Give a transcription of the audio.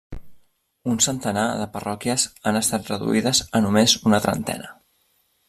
Un centenar de parròquies han estat reduïdes a només una trentena.